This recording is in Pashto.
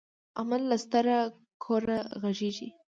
احمد له ستره کوره غږيږي.